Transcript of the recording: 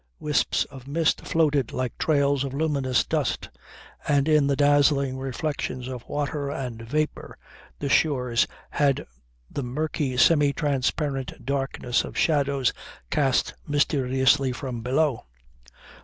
Wisps of mist floated like trails of luminous dust, and in the dazzling reflections of water and vapour, the shores had the murky semi transparent darkness of shadows cast mysteriously from below.